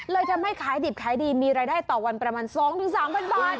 เลยทำให้ขายดิบขายดีมีรายได้ต่อวันประมาณ๒๓๐๐บาท